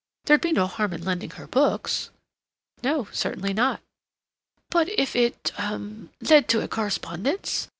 There'd be no harm in lending her books?" "No. Certainly not." "But if it—hum—led to a correspondence?